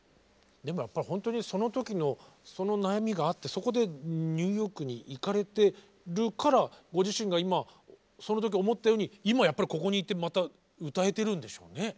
でもやっぱり本当にその時のその悩みがあってそこでニューヨークに行かれてるからご自身が今その時思ったように今やっぱりここにいてまた歌えてるんでしょうね。